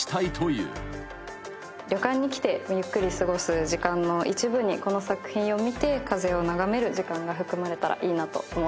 旅館に来てゆっくり過ごす時間の一部にこの作品を見て風を眺める時間が含まれたらいいなと思ってます。